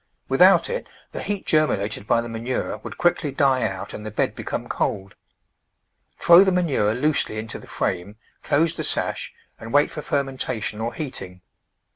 Without it the heat germinated by the manure would quickly die out and the bed become cold. Throw the manure loosely into the frame, close the sash and wait for fermentation or heating.